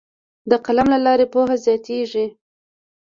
د قلم له لارې پوهه زیاتیږي.